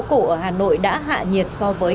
cổ ở hà nội đã hạ nhiệt so với